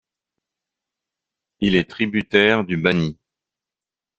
Il est tributaire du Bani.